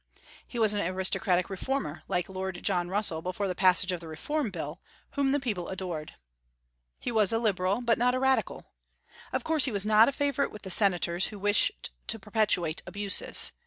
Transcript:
He was an aristocratic reformer, like Lord John Russell before the passage of the Reform Bill, whom the people adored. He was a liberal, but not a radical. Of course he was not a favorite with the senators, who wished to perpetuate abuses.